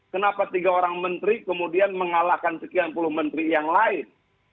kenapa tiga orang menteri kemudian mengalahkan sekian puluh menteri yang lain